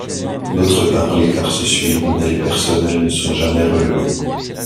D'autre part les quarts se suivent mais les personnels ne sont jamais relevés.